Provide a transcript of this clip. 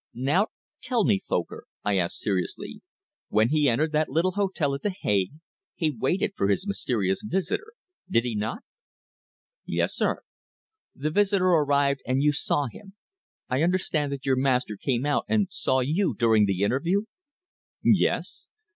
"Now tell me, Folcker," I asked seriously, "when he entered that little hotel at The Hague he waited for his mysterious visitor did he not?" "Yes, sir." "The visitor arrived and you saw him. I understand that your master came out and saw you during the interview?" "Yes.